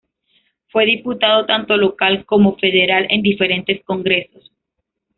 Fue diputado, tanto local como federal, en diferentes congresos.